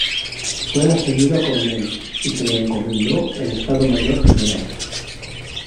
Fue ascendido a coronel, y se le encomendó el Estado Mayor General.